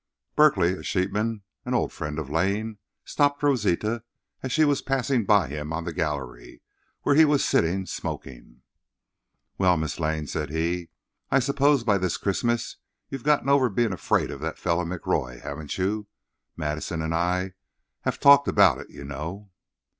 Berkly, a sheepman, an old friend of Lane, stopped Rosita as she was passing by him on the gallery, where he was sitting smoking. "Well, Mrs. Lane," said he, "I suppose by this Christmas you've gotten over being afraid of that fellow McRoy, haven't you? Madison and I have talked about it, you know."